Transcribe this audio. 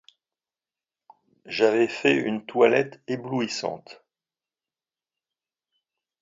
J'avais fait une toilette éblouissante.